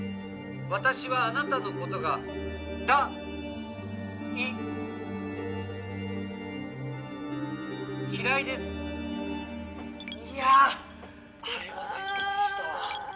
私はあなたのことがだい嫌いですいやあれは戦慄したわあ